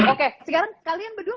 oke sekarang kalian berdua